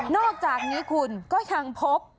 อกจากนี้คุณก็ยังพบ